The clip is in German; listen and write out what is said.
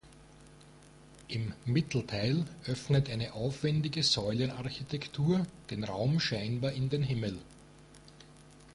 Im Mittelteil öffnet eine aufwendige Säulenarchitektur den Raum scheinbar in den Himmel.